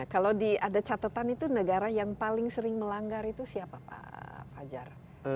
kalau ada catatan itu negara yang paling sering melanggar itu siapa pak fajar